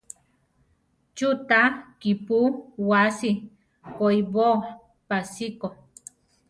Chú ta kípu wási koʼibóo pásiko?